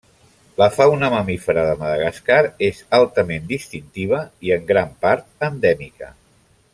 La fauna mamífera de Madagascar és altament distintiva i en gran part endèmica.